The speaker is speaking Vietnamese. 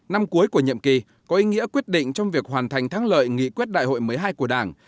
năm cuối của nhiệm kỳ có ý nghĩa quyết định trong việc hoàn thành thắng lợi nghị quyết đại hội một mươi hai của đảng